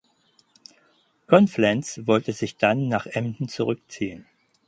Conflans wollte sich dann nach Emden zurückziehen.